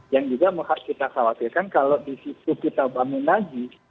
yang juga harus kita khawatirkan kalau di situ kita bangun lagi